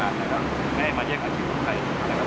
ไม่มีใครมาเย็นอาชีพกับใคร